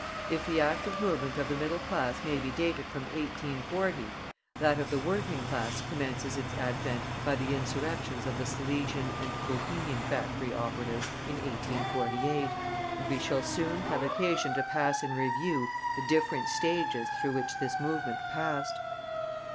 If the active movement of the middle class may be dated from 1840, that of the working class commences its advent by the insurrections of the Silesian and Bohemian factory operatives in 1844, and we shall soon have occasion to pass in review the different stages through which this movement passed.